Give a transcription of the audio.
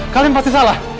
kalian pasti salah